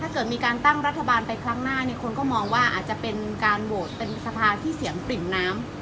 เกิดมีการตั้งรัฐบาลไปครั้งหน้าเนี่ยคนก็มองว่าอาจจะเป็นการโหวตเป็นสภาที่เสียงปริ่มน้ำ